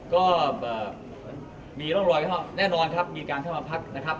ก็มีร่องรอยเข้าแน่นอนครับมีการเข้ามาพักนะครับ